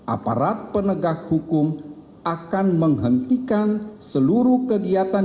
aparat penegak hukum akan menghentikan seluruh kegiatan